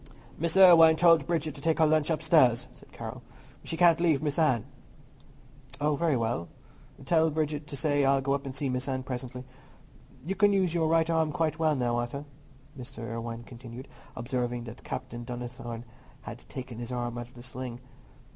"Miss Irwine told Bridget to take her lunch upstairs," said Carroll; "she can't leave Miss Anne." "Oh, very well. Tell Bridget to say I'll go up and see Miss Anne presently. You can use your right arm quite well now, Arthur," Mr. Irwine continued, observing that Captain Donnithorne had taken his arm out of the sling.